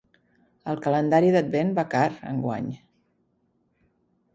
El calendari d'advent va car, enguany.